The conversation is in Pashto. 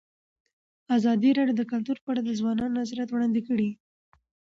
ازادي راډیو د کلتور په اړه د ځوانانو نظریات وړاندې کړي.